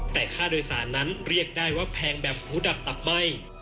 แต่ค่าโดยสารนั้นเรียกได้ว่าแพงแบบหูดับตับไหม้